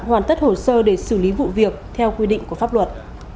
hoàn tất hồ sơ để xử lý vụ việc theo quy định của pháp luật